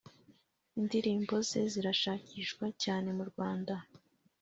Indirimbo ze zirashakishwa cyane mu Rwanda